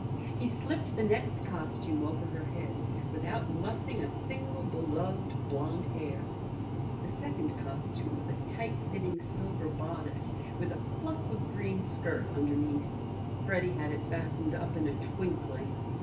He slipped the next costume over her head without mussing a single beloved blonde hair. The second costume was a tight fitting silver bodice with a fluff of green skirt underneath. Freddy had it fastened up in a twinkling.